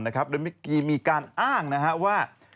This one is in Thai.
โดยเมื่อกี้มีการอ้างว่า